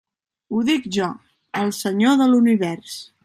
Ho dic jo, el Senyor de l'univers.